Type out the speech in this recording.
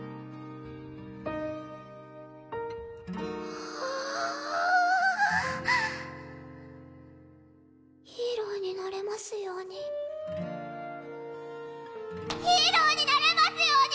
わぁヒーローになれますようにヒーローになれますように！